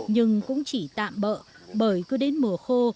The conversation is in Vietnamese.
nhưng cũng chỉ tạm bỡ bởi cứ đến mùa khô